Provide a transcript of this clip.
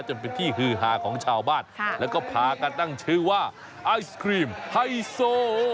จนเป็นที่ฮือฮาของชาวบ้านแล้วก็พากันตั้งชื่อว่าไอศครีมไฮโซ